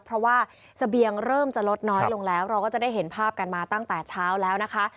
เพราะว่าเสบียงเริ่มจะลดน้อยลงแล้วเราก็จะได้เห็นภาพกันมาตั้งแต่เช้าแล้วนะคะ